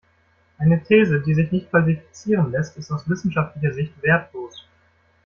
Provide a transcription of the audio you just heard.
Eine These, die sich nicht falsifizieren lässt, ist aus wissenschaftlicher Sicht wertlos.